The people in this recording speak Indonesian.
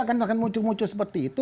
akan muncul muncul seperti itu